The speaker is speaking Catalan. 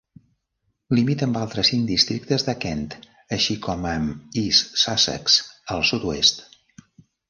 Limita amb altres cinc districtes de Kent, així com amb East Sussex al sud-oest.